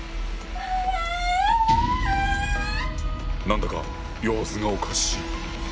何だか様子がおかしい。